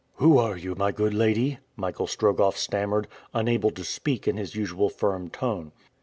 "Who are you, my good lady?" Michael Strogoff stammered, unable to speak in his usual firm tone.